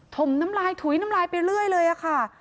มน้ำลายถุยน้ำลายไปเรื่อยเลยค่ะ